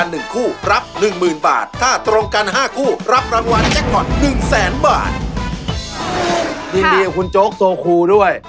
ยินดีกับคุณโจ๊กโซคูด้วย